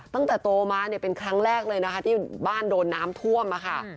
ตั้งแต่โตมาเนี่ยเป็นครั้งแรกเลยนะคะที่บ้านโดนน้ำท่วมอะค่ะ